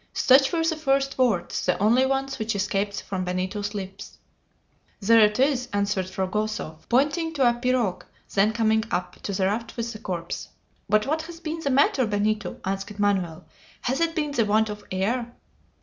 Such were the first words, the only ones which escaped from Benito's lips. "There it is!" answered Fragoso, pointing to a pirogue then coming up to the raft with the corpse. "But what has been the matter, Benito?" asked Manoel. "Has it been the want of air?"